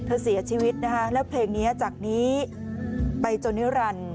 เสียชีวิตนะคะแล้วเพลงนี้จากนี้ไปจนนิรันดิ์